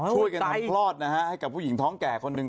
ช่วยกันทำคลอดนะฮะให้กับผู้หญิงท้องแก่คนหนึ่ง